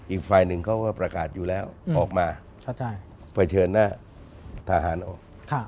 อีกฝ่ายหนึ่งเขาก็ประกาศอยู่แล้วออกมาเผชิญหน้าทหารออก